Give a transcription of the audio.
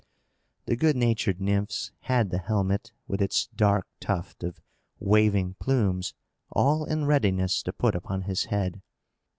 The good natured Nymphs had the helmet, with its dark tuft of waving plumes, all in readiness to put upon his head.